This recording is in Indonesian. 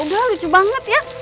udah lucu banget ya